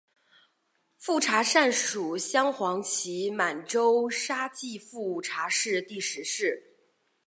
富察善属镶黄旗满洲沙济富察氏第十世。